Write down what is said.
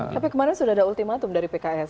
tapi kemarin sudah ada ultimatum dari pks